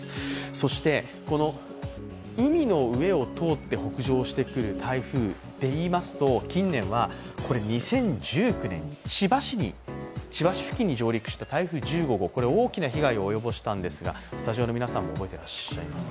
そして、海の上を通って北上してくる台風といいますと近年は２０１９年、千葉市付近に上陸した台風１５号、これ、大きな被害を及ぼしたんですが、スタジオの皆さん覚えていますか。